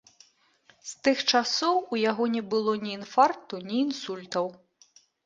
З тых часоў у яго не было ні інфаркту, ні інсультаў.